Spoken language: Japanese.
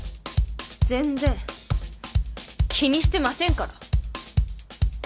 全然気にしてませんから。